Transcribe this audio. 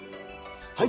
はい！